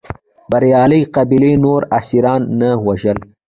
بریالۍ قبیلې نور اسیران نه وژل.